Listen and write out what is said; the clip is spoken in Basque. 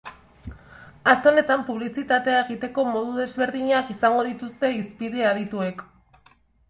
Aste honetan publizitatea egiteko modu desberdinak izango dituzte hizpide adituek.